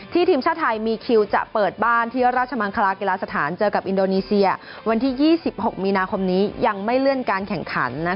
ทีมชาติไทยมีคิวจะเปิดบ้านที่ราชมังคลากีฬาสถานเจอกับอินโดนีเซียวันที่๒๖มีนาคมนี้ยังไม่เลื่อนการแข่งขัน